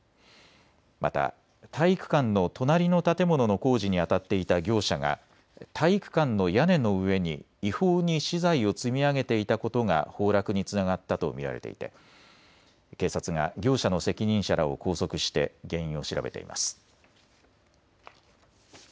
また体育館の隣の建物の工事にあたっていた業者が体育館の屋根の上に違法に資材を積み上げていたことが崩落につながったと見られていて警察が業者の責任者らを拘束して原因を調べています。